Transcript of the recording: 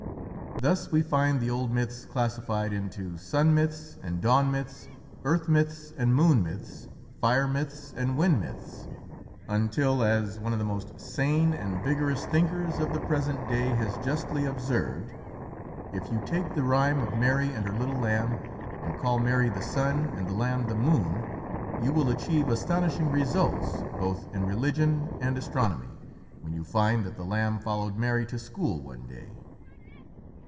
Thus we find the old myths classified into Sun Myths and Dawn Myths, Earth Myths and Moon Myths, Fire Myths and Wind Myths, until, as one of the most sane and vigorous thinkers of the present day has justly observed: "If you take the rhyme of Mary and her little lamb, and call Mary the sun and the lamb the moon, you will achieve astonishing results, both in religion and astronomy, when you find that the lamb followed Mary to school one day."